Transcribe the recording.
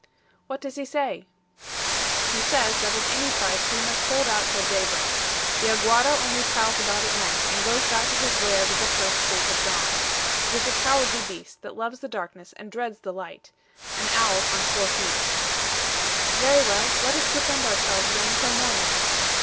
"What does he say?" "He says that at any price we must hold out till daybreak. The AGUARA only prowls about at night, and goes back to his lair with the first streak of dawn. It is a cowardly beast, that loves the darkness and dreads the light an owl on four feet." "Very well, let us defend ourselves, then, till morning."